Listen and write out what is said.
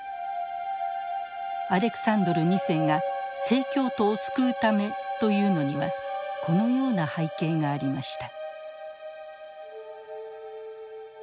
アレクサンドル２世が正教徒を救うためというのにはこのような背景がありました。